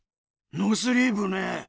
ノースリーブね。